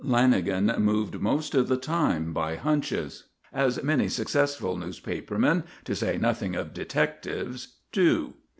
Lanagan moved most of the time by "hunches," as many successful newspaper men to say nothing of detectives do.